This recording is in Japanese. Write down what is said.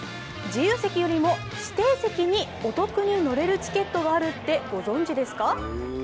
自由席よりも指定席にお得に乗れるチケットがあるってご存じですか？